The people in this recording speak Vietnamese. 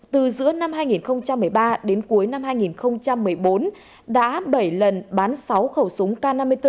từ giữa năm hai nghìn một mươi ba đến cuối năm hai nghìn một mươi bốn đã bảy lần bán sáu khẩu súng k năm mươi bốn